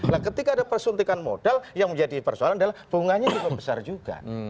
nah ketika ada persuntikan modal yang menjadi persoalan adalah bunganya juga besar juga